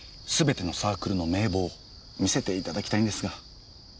すべてのサークルの名簿を見せていただきたいんですが。